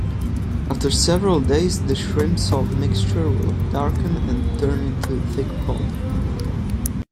After several days, the shrimp-salt mixture will darken and turn into a thick pulp.